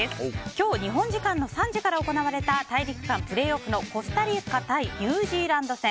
今日、日本時間の３時から行われた大陸間プレーオフのコスタリカ対ニュージーランド戦。